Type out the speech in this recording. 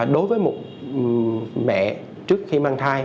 đối với một mẹ trước khi mang thai